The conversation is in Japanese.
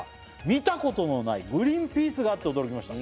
「見たことのないグリーンピースがあって驚きました」